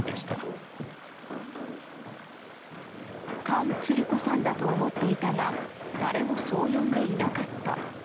かんつるこさんだと思っていたが誰もそう呼んでいなかった。